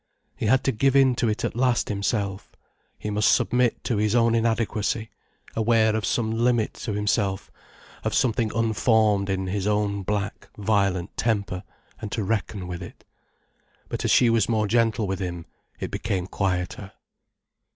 He had to give in to it at last himself. He must submit to his own inadequacy, aware of some limit to himself, of [something unformed in] his own black, violent temper, and to reckon with it. But as she was more gentle with him, it became quieter.